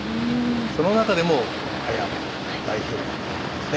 その中でもこの「あやめ」代表曲でございますね。